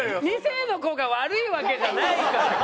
二世の子が悪いわけじゃないから。